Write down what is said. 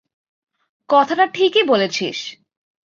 কথাটা ঠিকই বলেছিস।